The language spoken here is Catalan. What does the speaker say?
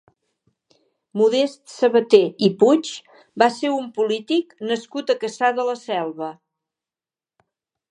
Modest Sabaté i Puig va ser un polític nascut a Cassà de la Selva.